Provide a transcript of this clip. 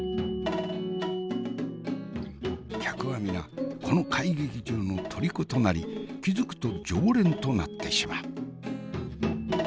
客は皆この貝劇場のとりことなり気付くと常連となってしまう。